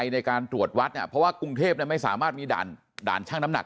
ในการตรวจวัดเพราะว่ากรุงเทพไม่สามารถมีด่านช่างน้ำหนัก